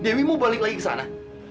dewi mau balik lagi ke sana